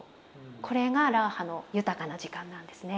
これがラーハの豊かな時間なんですね。